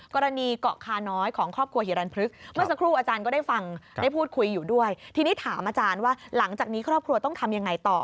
กรณีเกาะคาน้อยของครอบครัวฮิรันพฤกษ์เมื่อสักครู่อาจารย์ก็ได้ฟังได้พูดคุยอยู่ด้วยทีนี้ถามอาจารย์ว่าหลังจากนี้ครอบครัวต้องทำยังไงต่อ